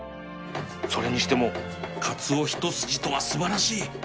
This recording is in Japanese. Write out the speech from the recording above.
それにしてもカツオ一筋とは素晴らしい